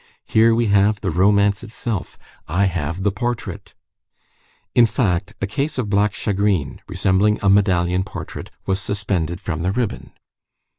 Here we have the romance itself. I have the portrait!" In fact, a case of black shagreen, resembling a medallion portrait, was suspended from the ribbon.